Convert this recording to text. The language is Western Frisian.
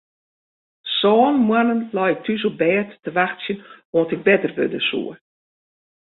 Sân moannen lei ik thús op bêd te wachtsjen oant ik better wurde soe.